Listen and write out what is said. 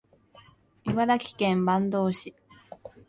茨城県坂東市